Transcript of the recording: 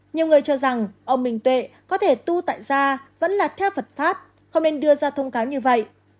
nhiều người cho rằng ông minh tuệ có thể tu tại ra vẫn là theo phật pháp không nên đưa ra thông cáo như vậy